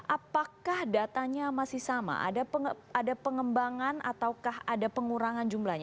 apakah datanya masih sama ada pengembangan ataukah ada pengurangan jumlahnya